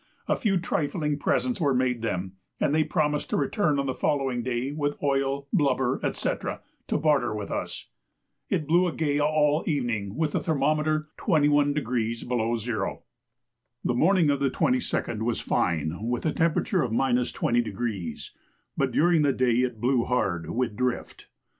A few trifling presents were made them, and they promised to return on the following day with oil, blubber, &c. to barter with us. It blew a gale all the evening, with the thermometer 21° below zero. The morning of the 22d was fine with a temperature of 20°, but during the day it blew hard with drift.